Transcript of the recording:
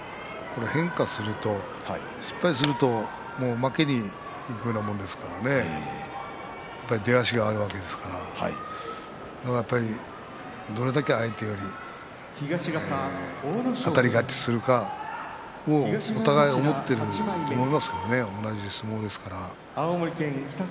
変化すると失敗すると負けにいくようなもんですからね出足があるわけですからやはりどれだけあたり勝ちするかお互いに思っていると思いますけどね、同じ相撲ですから。